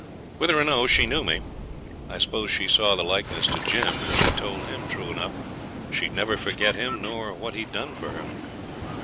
Whether or no, she knew me. I suppose she saw the likeness to Jim, and she told him, true enough, she'd never forget him nor what he'd done for her.